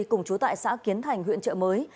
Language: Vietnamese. cùng chú tại xã kiến thành huyện trợ mới